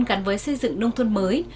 gắn với xây dựng nông thôn mới